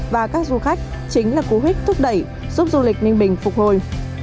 và các du khách chính là cú hích thúc đẩy giúp du lịch ninh bình phục hồi